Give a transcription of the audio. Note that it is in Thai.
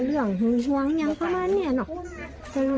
อ๋อเรื่องหวังอย่างประมาณเนี่ยเนอะ